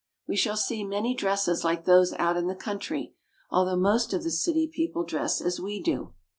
We shall see many dresses like those out in the country, although most of the city people dress as we do.